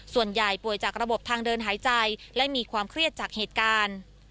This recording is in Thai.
ส่วนใหญ่ป่วยจากระบบทางเดินหายใจและมีความเครียดจากเหตุการณ์